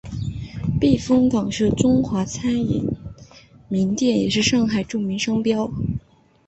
避风塘是中华餐饮名店也是上海市著名商标。